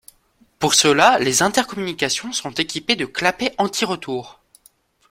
Pour cela les intercommunications sont équipées de clapet anti-retour.